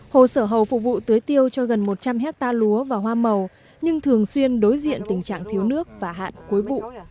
hồ sở hầu phục vụ tưới tiêu cho gần một trăm linh hectare lúa và hoa màu nhưng thường xuyên đối diện tình trạng thiếu nước và hạn cuối vụ